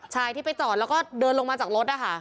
ชายที่ไปจอดแล้วก็เดินลงมาจากรถนะคะ